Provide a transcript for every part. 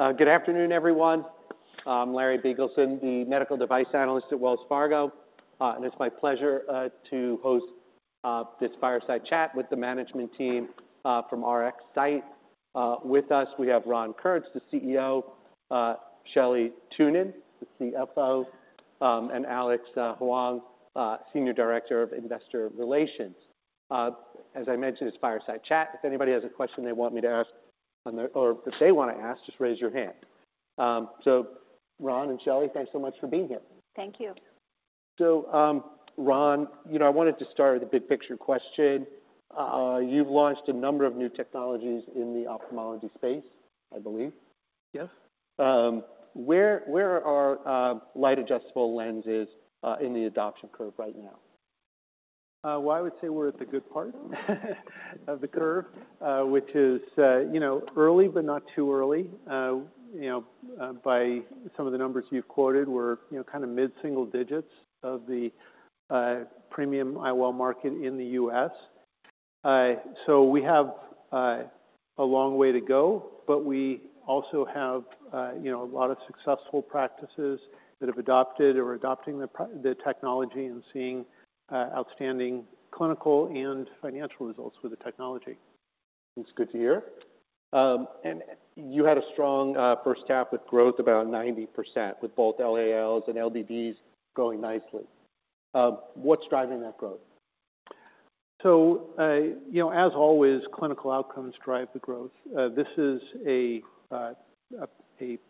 Right. Good afternoon, everyone. I'm Larry Biegelsen, the medical device analyst at Wells Fargo. And it's my pleasure to host this fireside chat with the management team from RxSight. With us, we have Ron Kurtz, the CEO, Shelley Thunen, the CFO, and Alex Huang, Senior Director of Investor Relations. As I mentioned, it's a fireside chat. If anybody has a question they want me to ask on their, or if they want to ask, just raise your hand. So Ron and Shelley, thanks so much for being here. Thank you. So, Ron, you know, I wanted to start with a big picture question. You've launched a number of new technologies in the ophthalmology space, I believe. Yes. Where are Light Adjustable Lenses in the adoption curve right now? Well, I would say we're at the good part of the curve, which is, you know, early but not too early. You know, by some of the numbers you've quoted, we're, you know, kind of mid-single digits of the premium IOL market in the U.S. So we have a long way to go, but we also have, you know, a lot of successful practices that have adopted or are adopting the technology and seeing outstanding clinical and financial results with the technology. That's good to hear. You had a strong first half with growth about 90%, with both LALs and LDDs growing nicely. What's driving that growth? So, you know, as always, clinical outcomes drive the growth. This is a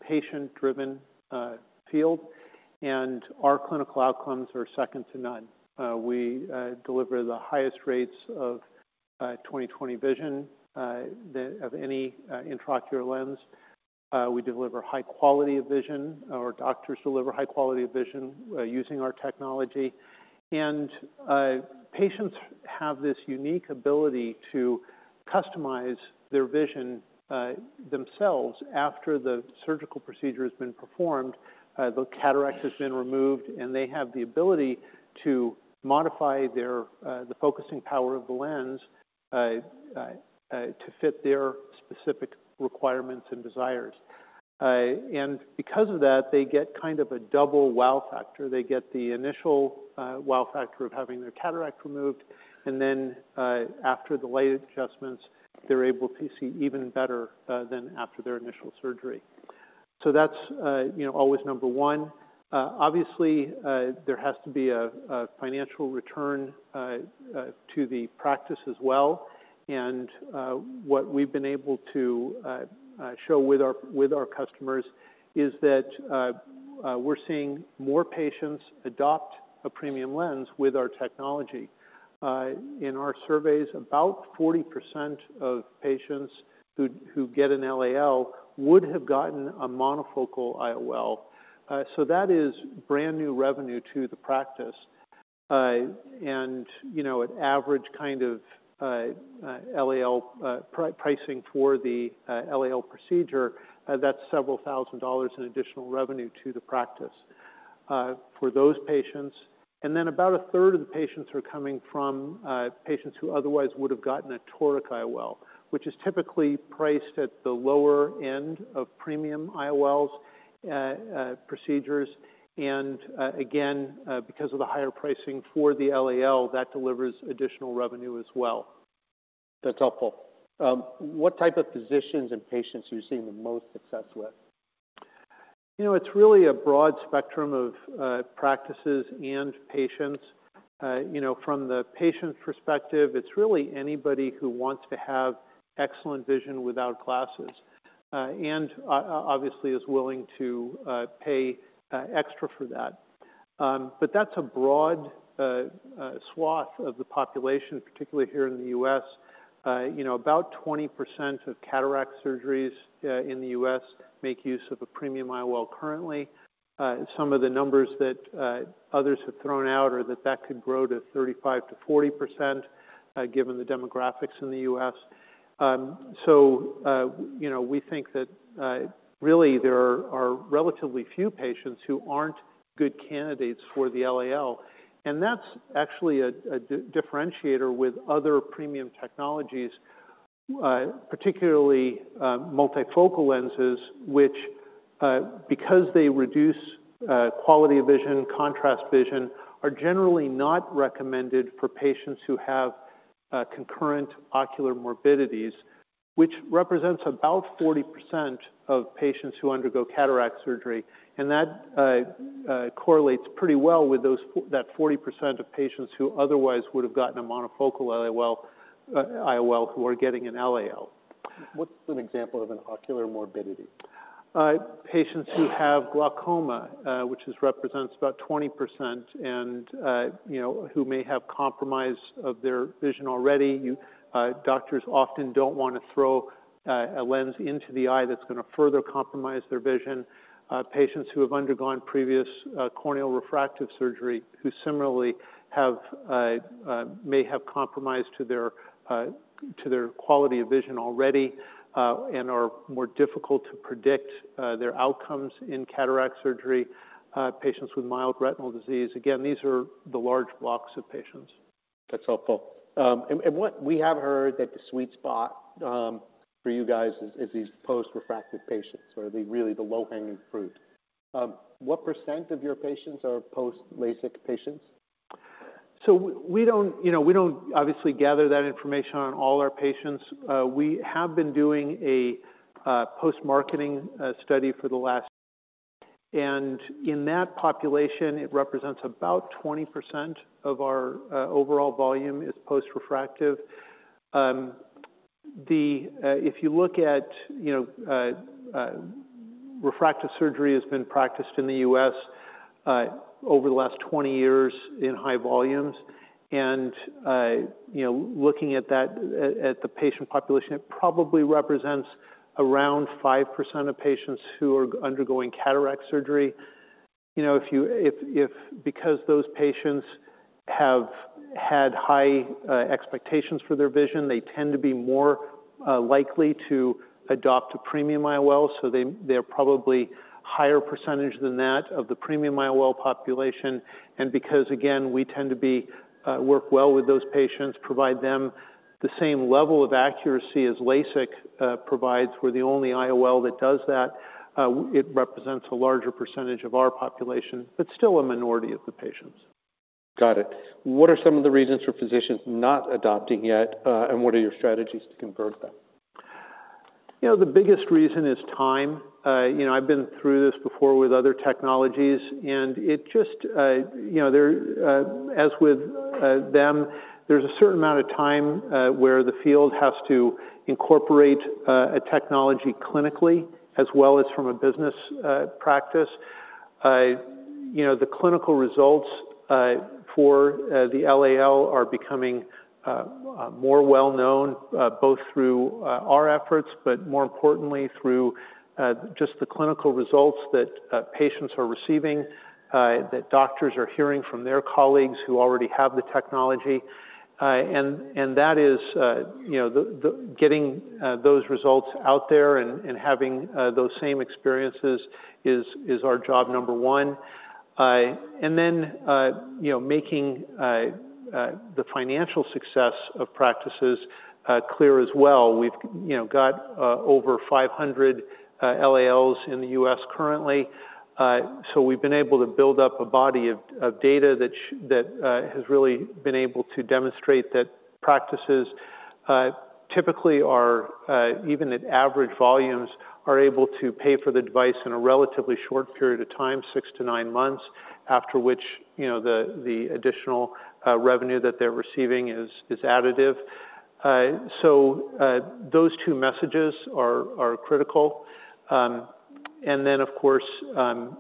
patient-driven field, and our clinical outcomes are second to none. We deliver the highest rates of 20/20 vision than of any intraocular lens. We deliver high quality of vision, or doctors deliver high quality of vision using our technology. And patients have this unique ability to customize their vision themselves after the surgical procedure has been performed, the cataract has been removed, and they have the ability to modify their the focusing power of the lens to fit their specific requirements and desires. And because of that, they get kind of a double wow factor. They get the initial wow factor of having their cataract removed, and then, after the light adjustments, they're able to see even better than after their initial surgery. So that's, you know, always number one. Obviously, there has to be a financial return to the practice as well, and what we've been able to show with our customers is that we're seeing more patients adopt a premium lens with our technology. In our surveys, about 40% of patients who get an LAL would have gotten a monofocal IOL, so that is brand-new revenue to the practice. And, you know, at average kind of LAL pricing for the LAL procedure, that's $several thousand in additional revenue to the practice for those patients. Then, about a third of the patients are coming from patients who otherwise would have gotten a toric IOL, which is typically priced at the lower end of premium IOLs procedures. Again, because of the higher pricing for the LAL, that delivers additional revenue as well. That's helpful. What type of physicians and patients are you seeing the most success with? You know, it's really a broad spectrum of practices and patients. You know, from the patient's perspective, it's really anybody who wants to have excellent vision without glasses, and obviously is willing to pay extra for that. But that's a broad swath of the population, particularly here in the U.S. You know, about 20% of cataract surgeries in the U.S. make use of a premium IOL currently. Some of the numbers that others have thrown out are that that could grow to 35%-40%, given the demographics in the U.S. So, you know, we think that really there are relatively few patients who aren't good candidates for the LAL, and that's actually a differentiator with other premium technologies, particularly multifocal lenses, which, because they reduce quality of vision, contrast vision, are generally not recommended for patients who have concurrent ocular morbidities, which represents about 40% of patients who undergo cataract surgery. And that correlates pretty well with that 40% of patients who otherwise would have gotten a monofocal IOL who are getting an LAL. What's an example of an ocular morbidity? Patients who have glaucoma, which represents about 20%, and, you know, who may have compromise of their vision already. You doctors often don't want to throw a lens into the eye that's gonna further compromise their vision. Patients who have undergone previous corneal refractive surgery, who similarly may have compromise to their quality of vision already, and are more difficult to predict their outcomes in cataract surgery. Patients with mild retinal disease. Again, these are the large blocks of patients. That's helpful. And what we have heard that the sweet spot for you guys is these post-refractive patients or really the low-hanging fruit. What % of your patients are post-LASIK patients? So we don't, you know, we don't obviously gather that information on all our patients. We have been doing a post-marketing study for the last, and in that population, it represents about 20% of our overall volume is post-refractive. If you look at, you know, refractive surgery has been practiced in the U.S. over the last 20 years in high volumes, and, you know, looking at that, at the patient population, it probably represents around 5% of patients who are undergoing cataract surgery. You know, because those patients have had high expectations for their vision, they tend to be more likely to adopt a premium IOL, so they're probably higher percentage than that of the premium IOL population. And because, again, we tend to work well with those patients, provide them the same level of accuracy as LASIK provides, we're the only IOL that does that. It represents a larger percentage of our population, but still a minority of the patients. Got it. What are some of the reasons for physicians not adopting yet, and what are your strategies to convert them? You know, the biggest reason is time. You know, I've been through this before with other technologies, and it just, you know, there, as with them, there's a certain amount of time, where the field has to incorporate a technology clinically as well as from a business practice. You know, the clinical results for the LAL are becoming more well known, both through our efforts, but more importantly, through just the clinical results that patients are receiving, that doctors are hearing from their colleagues who already have the technology. And that is, you know, the getting those results out there and having those same experiences is our job number one. And then, you know, making the financial success of practices clear as well. We've, you know, got over 500 LALs in the U.S. currently. So we've been able to build up a body of data that has really been able to demonstrate that practices typically are even at average volumes, are able to pay for the device in a relatively short period of time, 6-9 months, after which, you know, the additional revenue that they're receiving is additive. So those two messages are critical. And then, of course,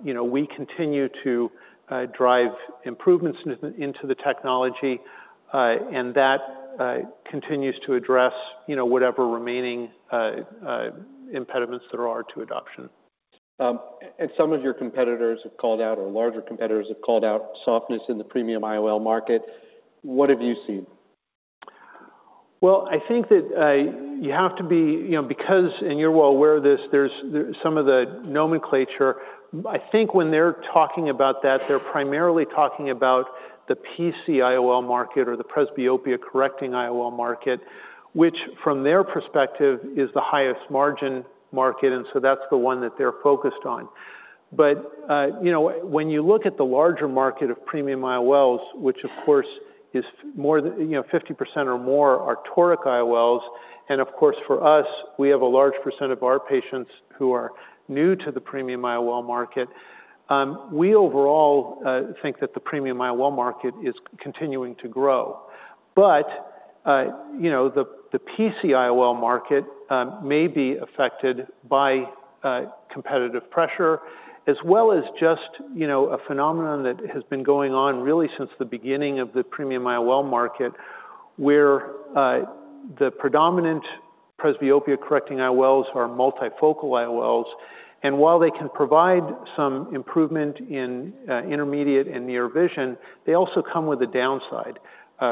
you know, we continue to drive improvements into the technology, and that continues to address, you know, whatever remaining impediments there are to adoption. Some of your competitors have called out, or larger competitors have called out, softness in the premium IOL market. What have you seen? Well, I think that, you have to be. You know, because, and you're well aware of this, there's some of the nomenclature. I think when they're talking about that, they're primarily talking about the PC IOL market or the presbyopia-correcting IOL market, which, from their perspective, is the highest margin market, and so that's the one that they're focused on. But, you know, when you look at the larger market of premium IOLs, which of course, is more than, you know, 50% or more are toric IOLs, and of course, for us, we have a large percent of our patients who are new to the premium IOL market. We overall think that the premium IOL market is continuing to grow. But, you know, the PC IOL market may be affected by competitive pressure, as well as just, you know, a phenomenon that has been going on really since the beginning of the premium IOL market, where the predominant presbyopia-correcting IOLs are multifocal IOLs, and while they can provide some improvement in intermediate and near vision, they also come with a downside: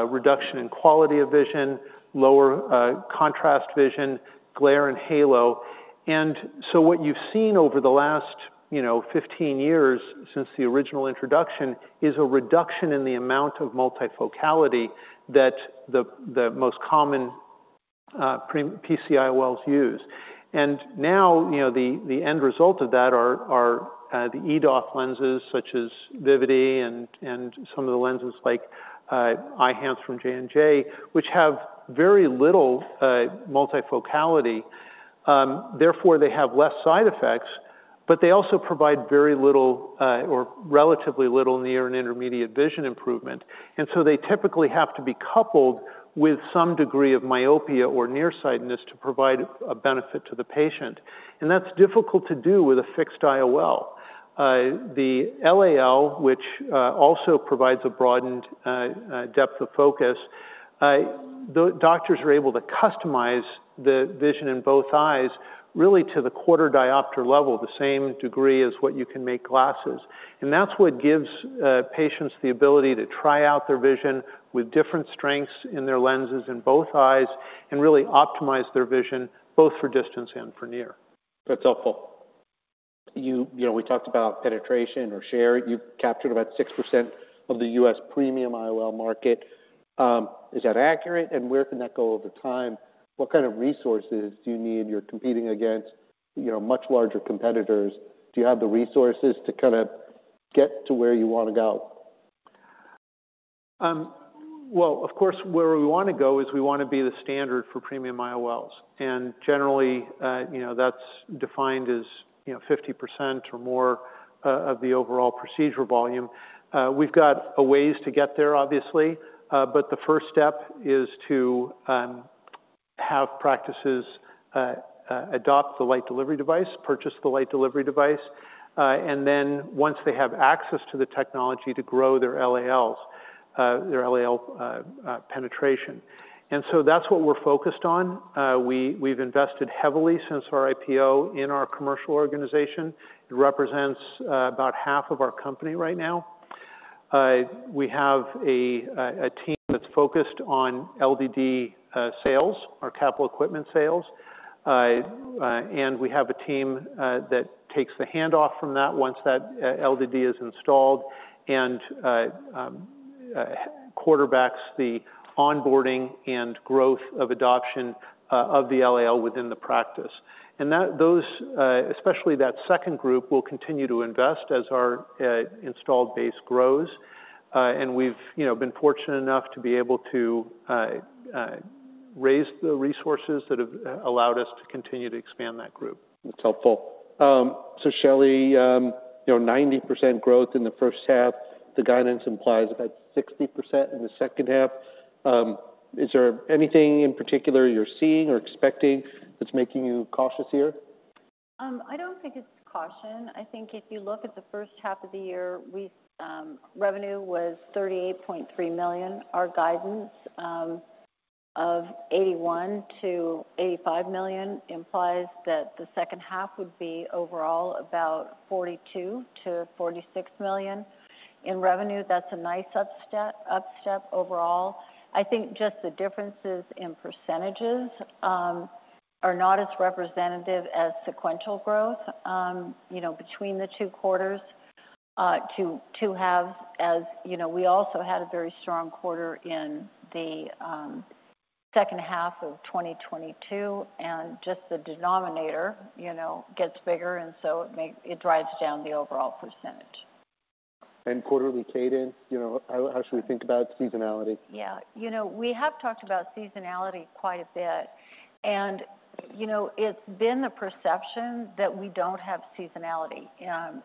reduction in quality of vision, lower contrast vision, glare and halo. And so what you've seen over the last, you know, 15 years since the original introduction, is a reduction in the amount of multifocality that the most common PC IOLs use. And now, you know, the end result of that are the EDOF lenses such as Vivity and some of the lenses like Eyhance from J&J, which have very little multifocality. Therefore, they have less side effects, but they also provide very little, or relatively little near and intermediate vision improvement. So they typically have to be coupled with some degree of myopia or nearsightedness to provide a benefit to the patient, and that's difficult to do with a fixed IOL. The LAL, which also provides a broadened depth of focus, the doctors are able to customize the vision in both eyes, really to the quarter diopter level, the same degree as what you can make glasses. That's what gives patients the ability to try out their vision with different strengths in their lenses in both eyes and really optimize their vision, both for distance and for near. That's helpful. You know, we talked about penetration or share. You've captured about 6% of the U.S. premium IOL market. Is that accurate? And where can that go over time? What kind of resources do you need? You're competing against, you know, much larger competitors. Do you have the resources to kind of get to where you want to go? Well, of course, where we want to go is we want to be the standard for premium IOLs. And generally, you know, that's defined as, you know, 50% or more of the overall procedure volume. We've got a ways to get there, obviously. But the first step is to have practices adopt the Light Delivery Device, purchase the Light Delivery Device, and then once they have access to the technology, to grow their LALs, their LAL penetration. And so that's what we're focused on. We've invested heavily since our IPO in our commercial organization. It represents about half of our company right now. We have a team that's focused on LDD sales, our capital equipment sales. And we have a team that takes the handoff from that once that LDD is installed and quarterbacks the onboarding and growth of adoption of the LAL within the practice. And that... Those, especially that second group, will continue to invest as our installed base grows. And we've, you know, been fortunate enough to be able to raise the resources that have allowed us to continue to expand that group. That's helpful. So Shelley, you know, 90% growth in the first half, the guidance implies about 60% in the second half. Is there anything in particular you're seeing or expecting that's making you cautious here? I don't think it's caution. I think if you look at the first half of the year, we, revenue was $38.3 million. Our guidance of $81 million-$85 million implies that the second half would be overall about $42 million-$46 million in revenue. That's a nice upstep, upstep overall. I think just the differences in percentages are not as representative as sequential growth, you know, between the two quarters, to, to have. As you know, we also had a very strong quarter in the, second half of 2022, and just the denominator, you know, gets bigger and so it makes it drives down the overall percentage. Quarterly cadence, you know, how should we think about seasonality? Yeah. You know, we have talked about seasonality quite a bit, and, you know, it's been the perception that we don't have seasonality.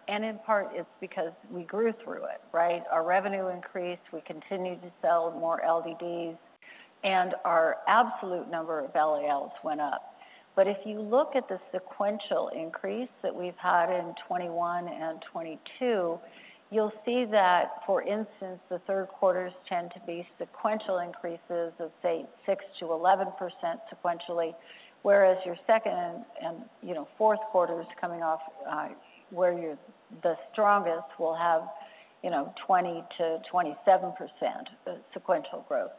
And in part, it's because we grew through it, right? Our revenue increased, we continued to sell more LDDs, and our absolute number of LALs went up. But if you look at the sequential increase that we've had in 2021 and 2022, you'll see that, for instance, the third quarters tend to be sequential increases of, say, 6%-11% sequentially, whereas your second and, you know, fourth quarter is coming off, where you're the strongest will have, you know, 20%-27% of sequential growth.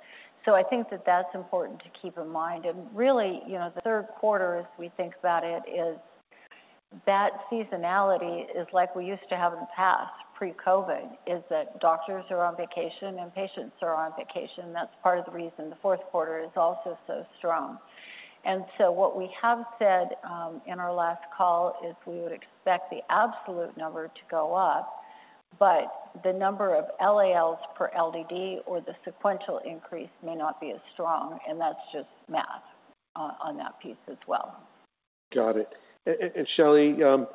So I think that that's important to keep in mind. Really, you know, the third quarter, as we think about it, is that seasonality is like we used to have in the past, pre-COVID, is that doctors are on vacation and patients are on vacation. That's part of the reason the fourth quarter is also so strong. So what we have said in our last call is we would expect the absolute number to go up, but the number of LALs per LDD or the sequential increase may not be as strong, and that's just math on that piece as well. Got it. And Shelley, you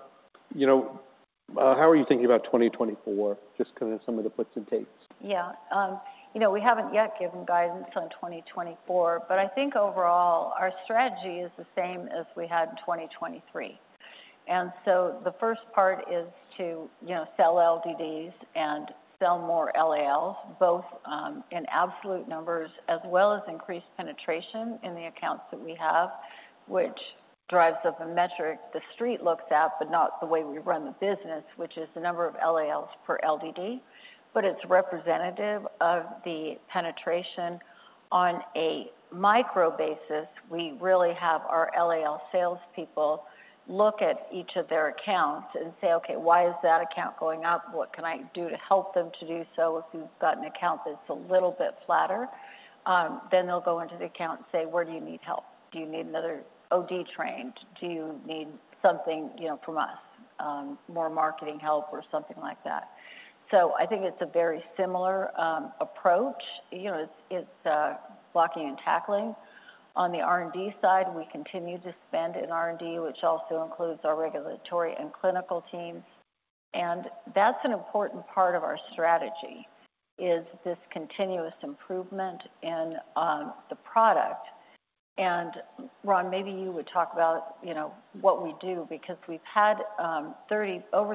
know, how are you thinking about 2024? Just kind of some of the puts and takes. Yeah. You know, we haven't yet given guidance on 2024, but I think overall, our strategy is the same as we had in 2023. And so the first part is to, you know, sell LDDs and sell more LALs, both, in absolute numbers, as well as increased penetration in the accounts that we have, which drives up a metric the street looks at, but not the way we run the business, which is the number of LALs per LDD, but it's representative of the penetration. On a micro basis, we really have our LAL salespeople look at each of their accounts and say, "Okay, why is that account going up? What can I do to help them to do so?" If you've got an account that's a little bit flatter, then they'll go into the account and say: Where do you need help? Do you need another OD trained? Do you need something, you know, from us, more marketing help or something like that? So I think it's a very similar approach. You know, it's blocking and tackling. On the R&D side, we continue to spend in R&D, which also includes our regulatory and clinical teams, and that's an important part of our strategy, is this continuous improvement in the product. And Ron, maybe you would talk about, you know, what we do because we've had over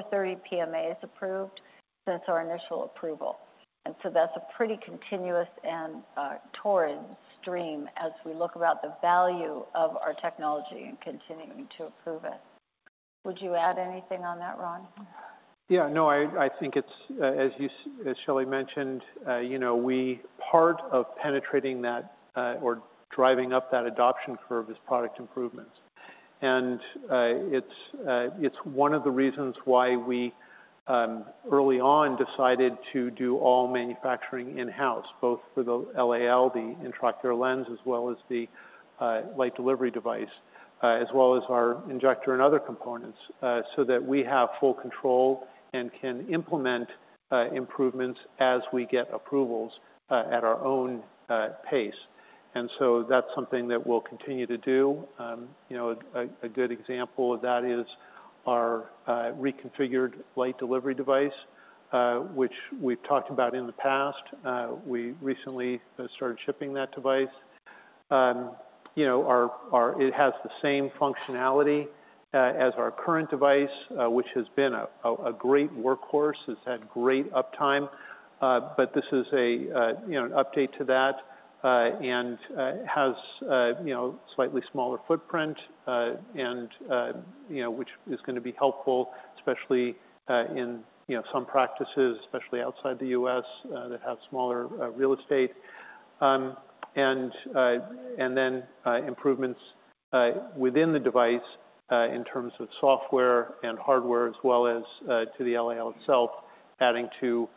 30 PMAs approved since our initial approval, and so that's a pretty continuous and torrid stream as we look about the value of our technology and continuing to improve it. Would you add anything on that, Ron? Yeah, no, I think it's, as Shelley mentioned, you know, we're part of penetrating that or driving up that adoption curve is product improvements. It's one of the reasons why we early on decided to do all manufacturing in-house, both for the LAL, the intraocular lens, as well as the Light Delivery Device, as well as our injector and other components, so that we have full control and can implement improvements as we get approvals at our own pace. So that's something that we'll continue to do. You know, a good example of that is our reconfigured Light Delivery Device, which we've talked about in the past. We recently started shipping that device. You know, our it has the same functionality as our current device, which has been a great workhorse. It's had great uptime, but this is you know, an update to that and has you know, slightly smaller footprint, and you know, which is going to be helpful, especially in you know, some practices, especially outside the U.S., that have smaller real estate. And then improvements within the device in terms of software and hardware, as well as to the LAL itself, adding to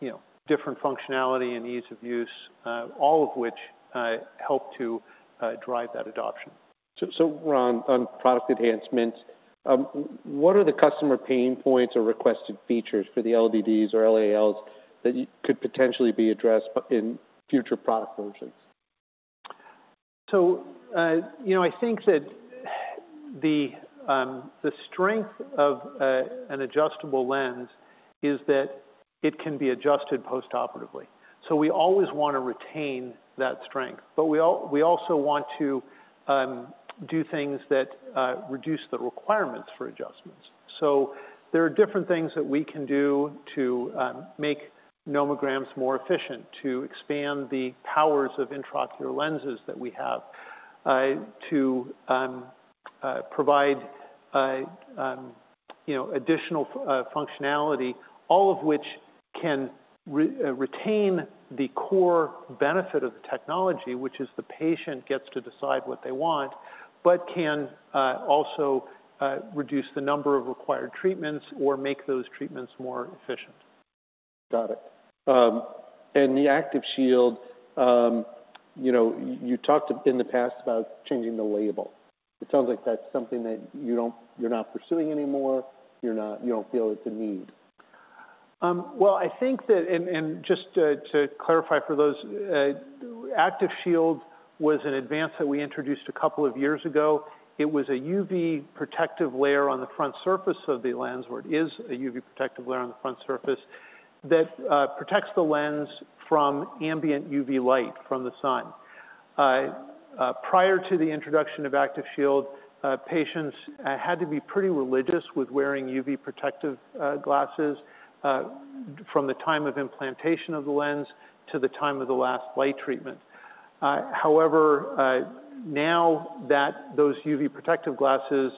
you know, different functionality and ease of use, all of which help to drive that adoption. So, Ron, on product enhancements, what are the customer pain points or requested features for the LDDs or LALs that could potentially be addressed in future product versions? So, you know, I think that the strength of an adjustable lens is that it can be adjusted postoperatively. So we always want to retain that strength, but we also want to do things that reduce the requirements for adjustments. So there are different things that we can do to make nomograms more efficient, to expand the powers of intraocular lenses that we have, to provide you know, additional functionality. All of which can retain the core benefit of the technology, which is the patient gets to decide what they want, but can also reduce the number of required treatments or make those treatments more efficient. Got it. And the ActivShield, you know, you talked in the past about changing the label. It sounds like that's something that you're not pursuing anymore. You're not... You don't feel it's a need. Well, I think, and just to clarify for those, ActivShield was an advance that we introduced a couple of years ago. It was a UV protective layer on the front surface of the lens, where it is a UV protective layer on the front surface, that protects the lens from ambient UV light from the sun. Prior to the introduction of ActivShield, patients had to be pretty religious with wearing UV protective glasses from the time of implantation of the lens to the time of the last light treatment. However, now that those UV protective glasses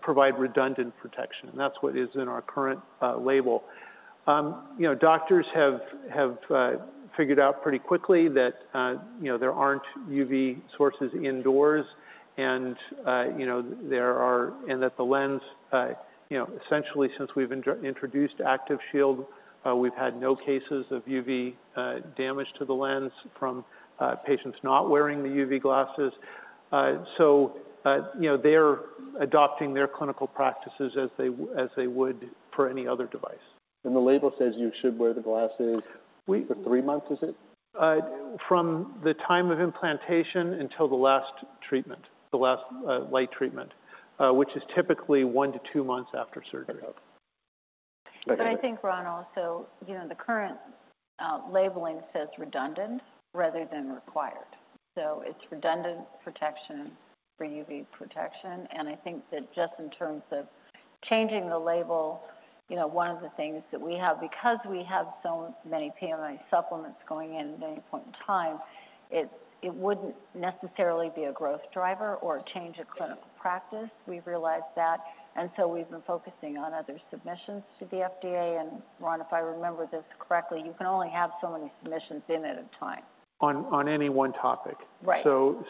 provide redundant protection, and that's what is in our current label. You know, doctors have figured out pretty quickly that you know, there aren't UV sources indoors and that the lens, you know, essentially, since we've introduced ActivShield, we've had no cases of UV damage to the lens from patients not wearing the UV glasses. So, you know, they're adopting their clinical practices as they would for any other device. The label says you should wear the glasses for three months, is it? From the time of implantation until the last treatment, the last light treatment, which is typically one to two months after surgery. Okay. But I think, Ron, also, you know, the current labeling says redundant rather than required, so it's redundant protection for UV protection. And I think that just in terms of changing the label, you know, one of the things that we have, because we have so many PMA supplements going in at any point in time, it wouldn't necessarily be a growth driver or a change of clinical practice. We've realized that, and so we've been focusing on other submissions to the FDA. And Ron, if I remember this correctly, you can only have so many submissions in at a time. On any one topic. Right. So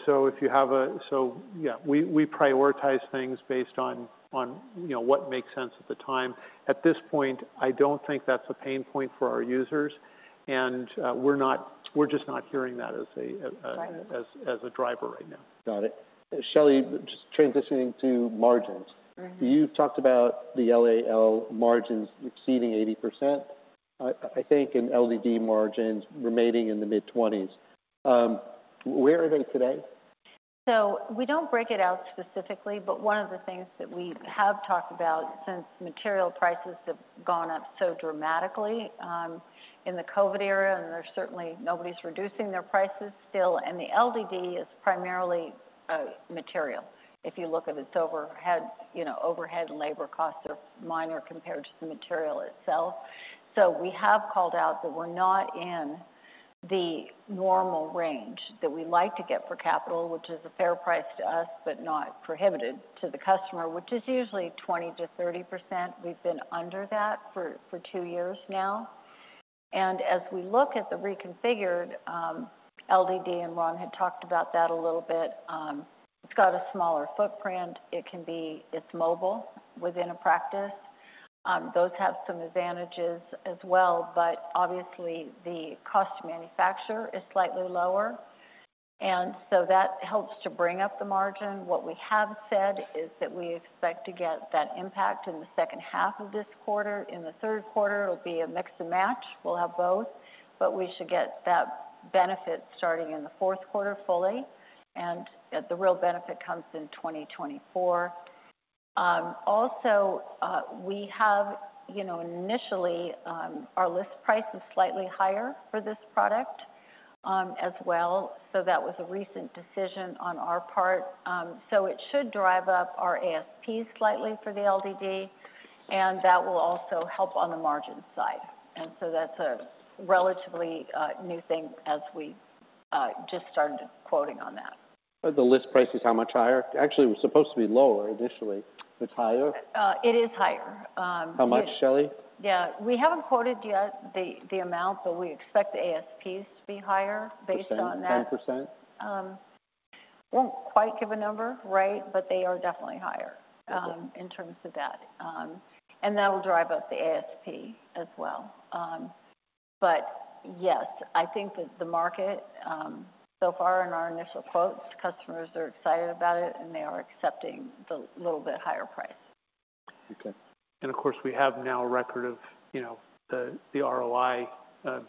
yeah, we prioritize things based on you know, what makes sense at the time. At this point, I don't think that's a pain point for our users, and we're not- we're just not hearing that as a. Right As a driver right now. Got it. Shelley, just transitioning to margins. Mm-hmm. You talked about the LAL margins exceeding 80%. I think in LDD margins remaining in the mid-20s. Where are they today? So we don't break it out specifically, but one of the things that we have talked about since material prices have gone up so dramatically in the COVID era, and there's certainly nobody's reducing their prices still, and the LDD is primarily material. If you look at its overhead, you know, overhead and labor costs are minor compared to the material itself. So we have called out that we're not in the normal range that we like to get for capital, which is a fair price to us, but not prohibitive to the customer, which is usually 20%-30%. We've been under that for two years now. And as we look at the reconfigured LDD, and Ron had talked about that a little bit, it's got a smaller footprint. It can be. It's mobile within a practice. Those have some advantages as well, but obviously, the cost to manufacture is slightly lower, and so that helps to bring up the margin. What we have said is that we expect to get that impact in the second half of this quarter. In the third quarter, it'll be a mix and match. We'll have both, but we should get that benefit starting in the fourth quarter fully, and the real benefit comes in 2024. Also, we have, you know, initially, our list price is slightly higher for this product, as well, so that was a recent decision on our part. So it should drive up our ASP slightly for the LDD, and that will also help on the margin side. And so that's a relatively new thing as we just started quoting on that. The list price is how much higher? Actually, it was supposed to be lower initially. It's higher? It is higher. How much, Shelley? Yeah. We haven't quoted yet the amount, but we expect the ASPs to be higher based on that. 10, 10%? Won't quite give a number, right, but they are definitely higher. Okay. In terms of that. That will drive up the ASP as well. Yes, I think that the market, so far in our initial quotes, customers are excited about it, and they are accepting the little bit higher price. Okay. Of course, we have now a record of, you know, the ROI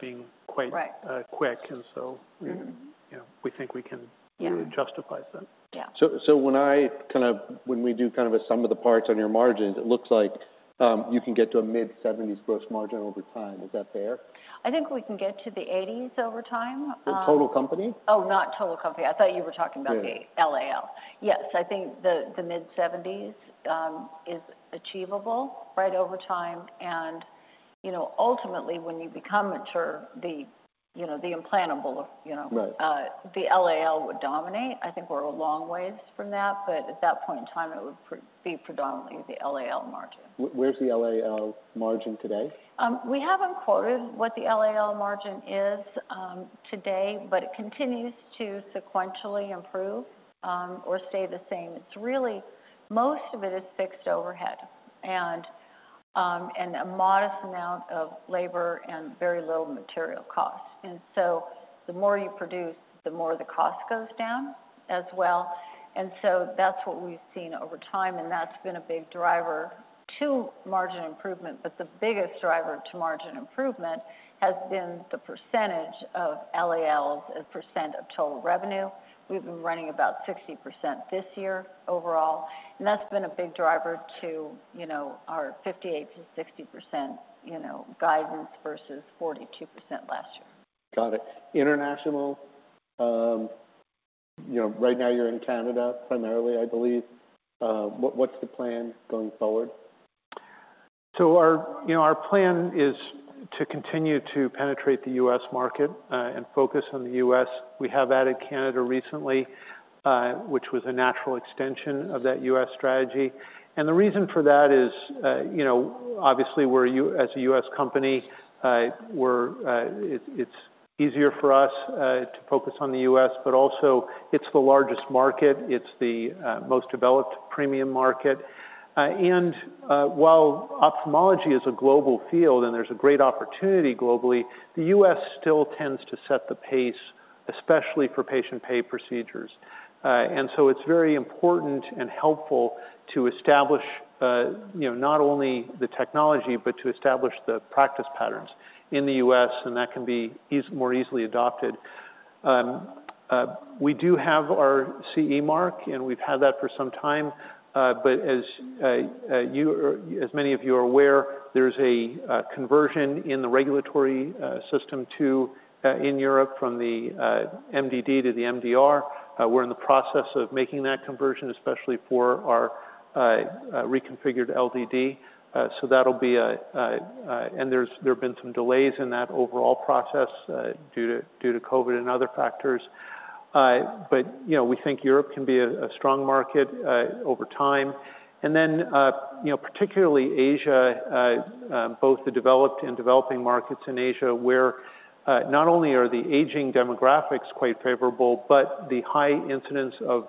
being quite. Right. Quick, and so. Mm-hmm. You know, we think we can justify that. Yeah. When we do kind of a sum of the parts on your margins, it looks like you can get to a mid-70s gross margin over time. Is that fair? I think we can get to the 80s over time. The total company? Oh, not total company. I thought you were talking about- Good. The LAL. Yes, I think the mid-seventies is achievable, right, over time. And, you know, ultimately, when you become mature, the implantable, you know- Right. the LAL would dominate. I think we're a long ways from that, but at that point in time, it would be predominantly the LAL margin. Where's the LAL margin today? We haven't quoted what the LAL margin is, today, but it continues to sequentially improve, or stay the same. It's really, most of it is fixed overhead and, and a modest amount of labor and very little material cost. And so the more you produce, the more the cost goes down as well. And so that's what we've seen over time, and that's been a big driver to margin improvement. But the biggest driver to margin improvement has been the percentage of LAL as a percent of total revenue. We've been running about 60% this year overall, and that's been a big driver to, you know, our 58%-60%, you know, guidance versus 42% last year. Got it. International, you know, right now you're in Canada primarily, I believe. What's the plan going forward? So our, you know, our plan is to continue to penetrate the U.S. market, and focus on the U.S. We have added Canada recently, which was a natural extension of that U.S. strategy. And the reason for that is, you know, obviously we're a U.S. company, it's easier for us to focus on the U.S., but also it's the largest market, it's the most developed premium market. And while ophthalmology is a global field and there's a great opportunity globally, the U.S. still tends to set the pace, especially for patient pay procedures. And so it's very important and helpful to establish, you know, not only the technology, but to establish the practice patterns in the U.S., and that can be more easily adopted. We do have our CE mark, and we've had that for some time, but as many of you are aware, there's a conversion in the regulatory system to in Europe from the MDD to the MDR. We're in the process of making that conversion, especially for our reconfigured LDD. So that'll be a, and there have been some delays in that overall process, due to COVID and other factors. But, you know, we think Europe can be a strong market over time. And then, you know, particularly Asia, both the developed and developing markets in Asia, where, not only are the aging demographics quite favorable, but the high incidence of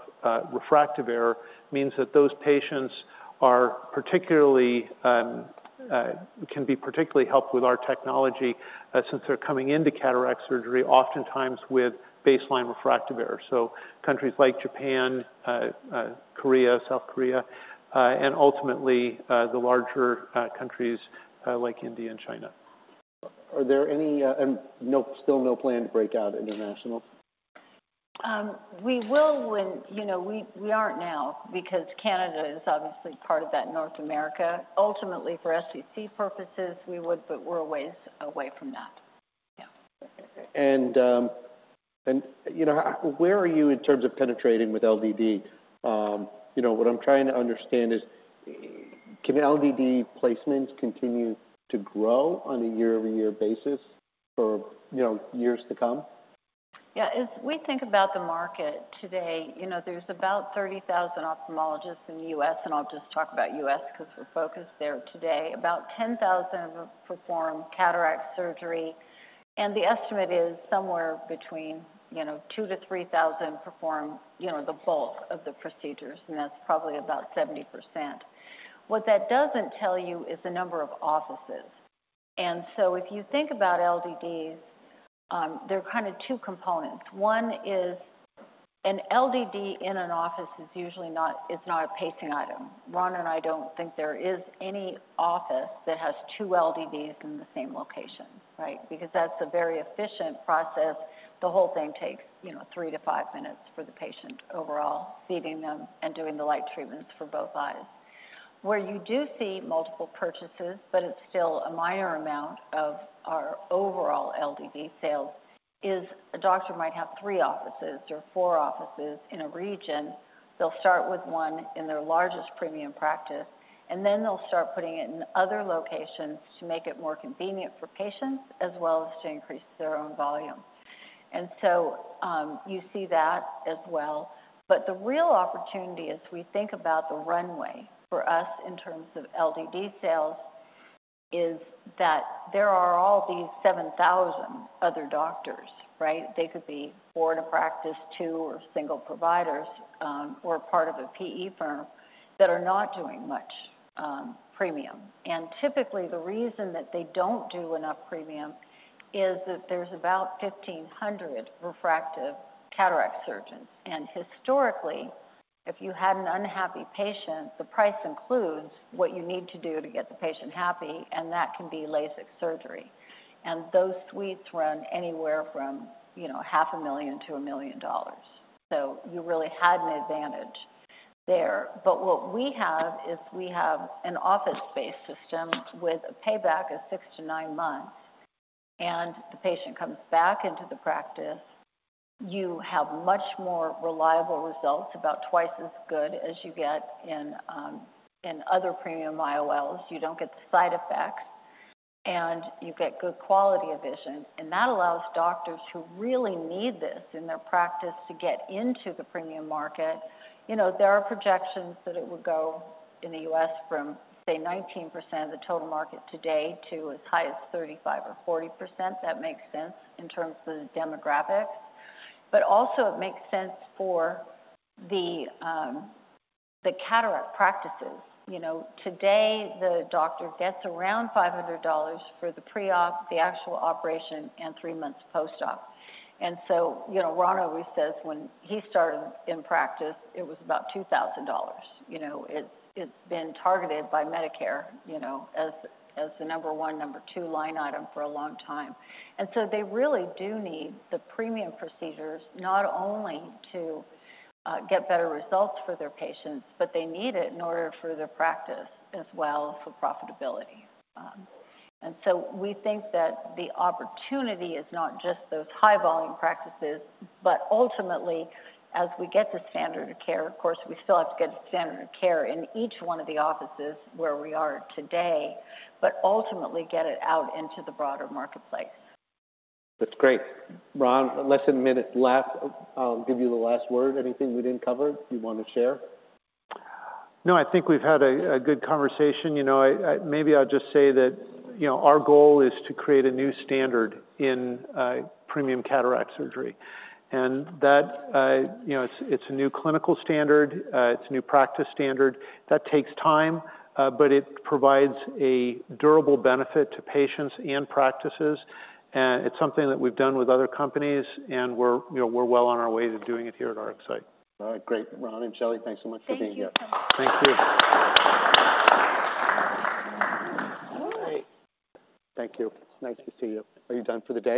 refractive error means that those patients are particularly, can be particularly helped with our technology, since they're coming into cataract surgery oftentimes with baseline refractive error. So countries like Japan, Korea, South Korea, and ultimately, the larger countries, like India and China. Are there any. And no, still no plan to break out international? We will when, you know, we aren't now because Canada is obviously part of that North America. Ultimately, for SEC purposes, we would, but we're a ways away from that. Yeah. You know, how, where are you in terms of penetrating with LDD? You know, what I'm trying to understand is, can LDD placements continue to grow on a year-over-year basis for, you know, years to come? Yeah, as we think about the market today, you know, there's about 30,000 ophthalmologists in the U.S., and I'll just talk about the U.S. because we're focused there today. About 10,000 of them perform cataract surgery, and the estimate is somewhere between, you know, 2,000-3,000 perform, you know, the bulk of the procedures, and that's probably about 70%. What that doesn't tell you is the number of offices. And so if you think about LDDs, there are kind of two components. One is an LDD in an office is usually not, it's not a pacing item. Ron and I don't think there is any office that has two LDDs in the same location, right? Because that's a very efficient process. The whole thing takes, you know, three to five minutes for the patient overall, seeing them and doing the light treatments for both eyes. Where you do see multiple purchases, but it's still a minor amount of our overall LDD sales, is a doctor might have three offices or four offices in a region. They'll start with one in their largest premium practice, and then they'll start putting it in other locations to make it more convenient for patients, as well as to increase their own volume. And so, you see that as well. But the real opportunity as we think about the runway for us in terms of LDD sales, is that there are all these 7,000 other doctors, right? They could be solo practice, two or single providers, or part of a PE firm that are not doing much premium. Typically, the reason that they don't do enough premium is that there's about 1,500 refractive cataract surgeons. Historically, if you had an unhappy patient, the price includes what you need to do to get the patient happy, and that can be LASIK surgery. Those suites run anywhere from, you know, $500,000-$1 million. So you really had an advantage there. But what we have is we have an office-based system with a payback of six to nine months, and the patient comes back into the practice. You have much more reliable results, about twice as good as you get in other premium IOLs. You don't get the side effects, and you get good quality of vision, and that allows doctors who really need this in their practice to get into the premium market. You know, there are projections that it would go in the U.S. from, say, 19% of the total market today to as high as 35% or 40%. That makes sense in terms of the demographics, but also it makes sense for the cataract practices. You know, today, the doctor gets around $500 for the pre-op, the actual operation, and three months post-op. And so, you know, Ron always says when he started in practice, it was about $2,000. You know, it's been targeted by Medicare as the number one, number two line item for a long time. And so they really do need the premium procedures, not only to get better results for their patients, but they need it in order for their practice as well, for profitability. And so we think that the opportunity is not just those high volume practices, but ultimately, as we get to standard of care, of course, we still have to get to standard of care in each one of the offices where we are today, but ultimately get it out into the broader marketplace. That's great. Ron, less than a minute left. I'll give you the last word. Anything we didn't cover you want to share? No, I think we've had a good conversation. You know, maybe I'll just say that, you know, our goal is to create a new standard in premium cataract surgery. And that, you know, it's a new clinical standard, it's a new practice standard. That takes time, but it provides a durable benefit to patients and practices, and it's something that we've done with other companies, and we're, you know, we're well on our way to doing it here at RxSight. All right, great. Ron and Shelley, thanks so much for being here. Thank you. Thank you. All right. Thank you. Nice to see you. Are you done for the day?